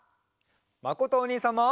まことおにいさんも！